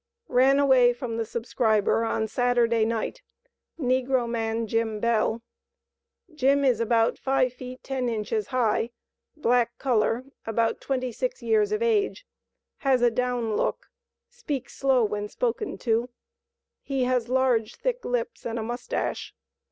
Ran away from the subscriber on Saturday night, Negro Man JIM BELLE. Jim is about five feet ten inches high, black color, about 26 years of age has a down look; speaks slow when spoken to; he has large, thick lips, and a mustache.